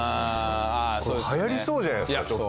これ流行りそうじゃないですかちょっと。